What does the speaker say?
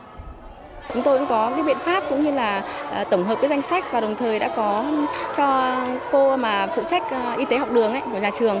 chúng tôi cũng có cái biện pháp cũng như là tổng hợp cái danh sách và đồng thời đã có cho cô mà phụ trách y tế học đường ấy của nhà trường